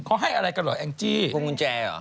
เขาให้อะไรกันเหรอแองจี้วงกุญแจเหรอ